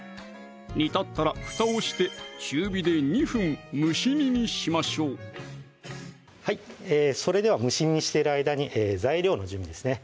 煮立ったらふたをして中火で２分蒸し煮にしましょうそれでは蒸し煮にしている間に材料の準備ですね